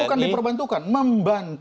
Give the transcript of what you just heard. itu bukan diperbantukan membantu